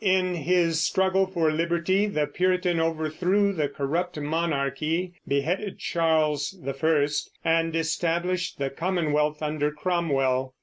In his struggle for liberty the Puritan overthrew the corrupt monarchy, beheaded Charles I, and established the Commonwealth under Cromwell.